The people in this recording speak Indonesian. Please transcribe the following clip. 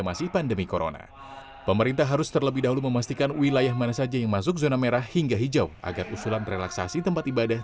dan memberikan pengertian lebih baik kepada semua yang terkait di tingkat bawah